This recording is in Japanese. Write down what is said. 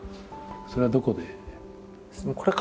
それはどこで？